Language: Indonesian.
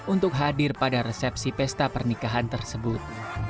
untuk hadir pada resepsi pesta pernikahan tersebut